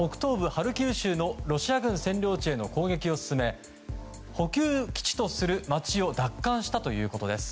ハルキウ州のロシア軍占領地への攻撃を進め補給基地とする街を奪還したということです。